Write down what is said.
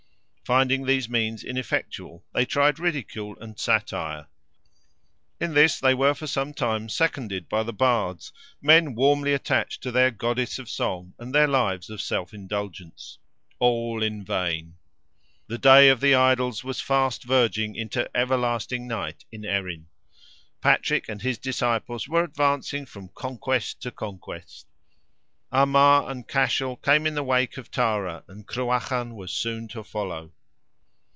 Finding these means ineffectual they tried ridicule and satire. In this they were for some time seconded by the Bards, men warmly attached to their goddess of song and their lives of self indulgence. All in vain. The day of the idols was fast verging into everlasting night in Erin. Patrick and his disciples were advancing from conquest to conquest. Armagh and Cashel came in the wake of Tara, and Cruachan was soon to follow.